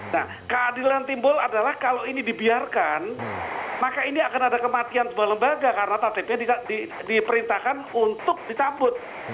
nah keadilan timbul adalah kalau ini dibiarkan maka ini akan ada kematian sebuah lembaga karena tatipnya diperintahkan untuk dicabut